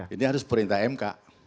ini harus perintah mk